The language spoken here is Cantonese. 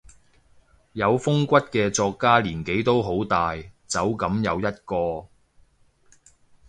有風骨嘅作家年紀都好大，走噉又一個